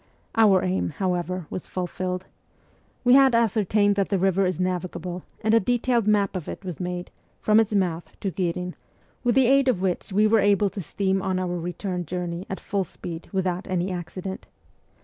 Our aim, how ever, was fulfilled. We had ascertained that the river is navigable, and a detailed map of it was made, from its mouth to Ghirin, with the aid of which w r e were able to steam on our return journey at full speed without any accident.